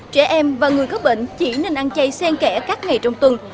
trẻ em và người có bệnh chỉ nên ăn chay sen kẻ các ngày trong tuần